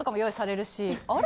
あれ？